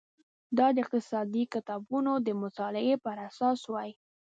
دا د اقتصادي کتابونو د مطالعې پر اساس وای.